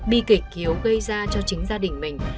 bi kịch thiếu gây ra cho chính gia đình mình